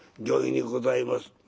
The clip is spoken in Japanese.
「御意にございます」。